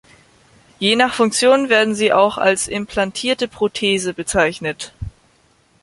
Je nach Funktion werden sie auch als implantierte Prothese bezeichnet.